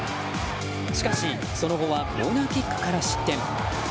しかしその後はコーナーキックから失点。